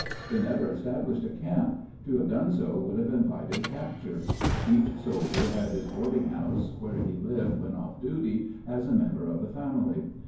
They never established a camp; to have done so would have invited capture. Each soldier had his boarding house, where he lived when off duty, as a member of the family.